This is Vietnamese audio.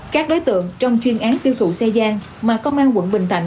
các đối tượng trong chuyên án tiêu thụ xe gian mà công an quận bình thạnh